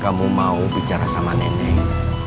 kamu mau bicara sama nenek